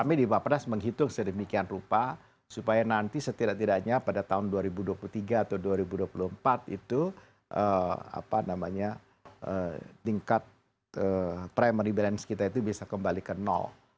kami di bapenas menghitung sedemikian rupa supaya nanti setidak tidaknya pada tahun dua ribu dua puluh tiga atau dua ribu dua puluh empat itu tingkat primary balance kita itu bisa kembali ke nol